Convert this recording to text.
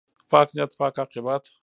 پاک نیت، پاک عاقبت.